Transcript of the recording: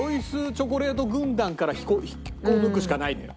’チョコレート軍団から引っこ抜くしかないのよ。